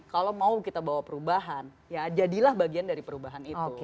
kalau mau kita bawa perubahan ya jadilah bagian dari perubahan itu